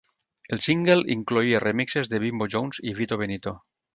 El single incloïa remixes de Bimbo Jones i Vito Benito.